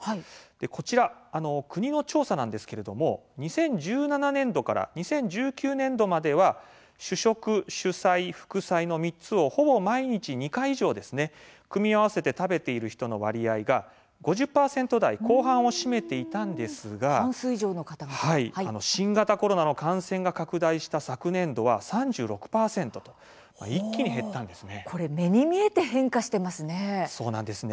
こちら国の調査なんですけれども２０１７年度から２０１９年度までは主食、主菜、副菜の３つをほぼ毎日２回以上組み合わせて食べている人の割合が５０％台後半を占めていたんですが新型コロナの感染が拡大した昨年度は３６％と一気に減ったんですね。